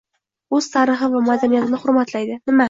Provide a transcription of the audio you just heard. O‘z tarixi va madaniyatini hurmatlaydi.